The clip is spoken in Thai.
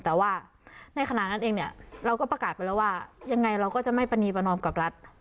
แต่ว่าในขณะนั้นเองเนี่ยเราก็ประกาศไปแล้วว่ายังไงเราก็จะไม่ประนีประนอมกับรัฐ